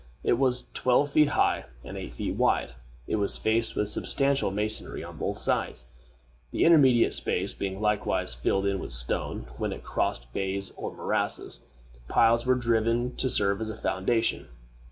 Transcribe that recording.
It was twelve feet high, and eight feet wide. It was faced with substantial masonry on both sides, the intermediate space being likewise filled in with stone. When it crossed bays or morasses, piles were driven to serve as a foundation.